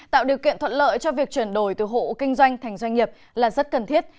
tạo điều kiện thuận lợi cho việc chuyển đổi từ hộ kinh doanh thành doanh nghiệp là rất cần thiết